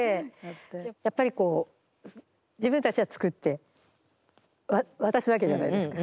やっぱりこう自分たちはつくって渡すわけじゃないですか。